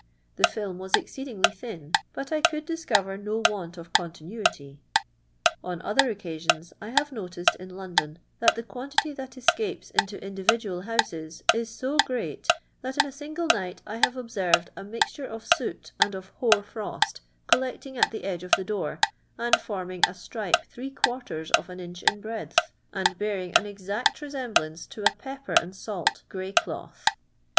The film was exceedingly thin, but I could discover no want of continuity. On other occasions I have noticed in London that the quan tity that escapes into individual houses is so great that in a single night I have observed a mixture of soot and of hoar frost collecting at the edge of the door, and forming a stripe three quarters of an inch in breadth, and bearing an exact resemblance to a pepper and salt grey cloth.